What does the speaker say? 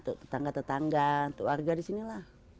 tetangga tetangga keluarga disini lah